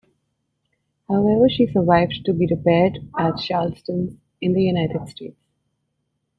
However she survived to be repaired at Charleston in the United States.